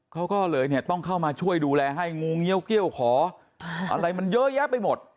เขาก็เลยเนี่ยต้องเข้ามาช่วยดูแลให้งูเงี้ยวเกี้ยวขออะไรมันเยอะแยะไปหมด